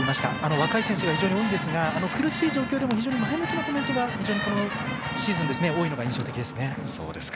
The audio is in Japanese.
若い選手が多いですが苦しい状況でも非常に前向きなコメントがこのシーズン、非常に多いのが印象的ですね。